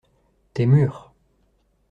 Tes murs.